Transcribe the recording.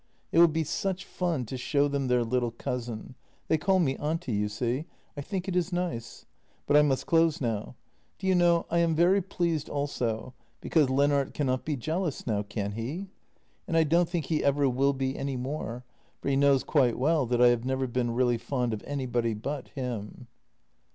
It will be such fun to show them their little cousin — they call me auntie, you see. I think it is nice. But I must close now. Do you know I am very pleased also, because Lennart cannot be jealous now — can he? and I don't think he ever will be any more, for he knows quite well that I have never been really fond of anybody but him.